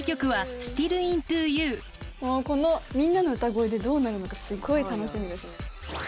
このみんなの歌声でどうなるのかすごい楽しみですね。